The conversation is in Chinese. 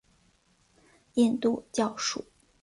印度教属。